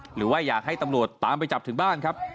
หรือว่าอยากให้ตำรวจตามไปจับถึงบ้านครับ